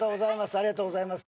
ありがとうございます。